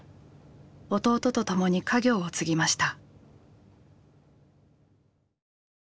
弟とともに家業を継ぎました。